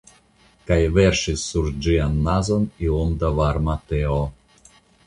Kaj verŝis sur ĝian nazon iom da varma teo.